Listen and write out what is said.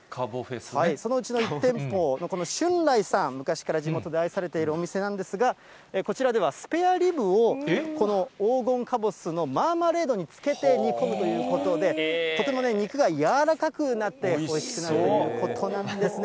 そのうちの１店舗、この春雷さん、昔から地元で愛されているお店なんですが、こちらでは、スペアリブを、この黄金かぼすのマーマレードに漬けて煮込むということで、とても肉が柔らかくなって、おいしくなるということなんですね。